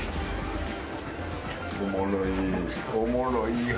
おもろい。